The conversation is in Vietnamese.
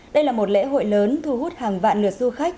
đây là một lễ hội lớn thu hút hàng vạn lượt du khách